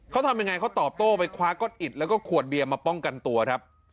เขาทำยังไงเขาตอบโต้ไปคว้าก๊อตอิดแล้วก็ขวดเบียร์มาป้องกันตัวครับ